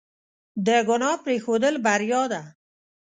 د ګناه پرېښودل بریا ده.